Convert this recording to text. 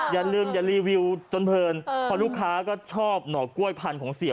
อย่าลืมอย่ารีวิวจนเพลินเพราะลูกค้าก็ชอบหน่อกล้วยพันธุ์ของเสีย